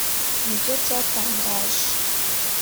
Mu byo cyatangaje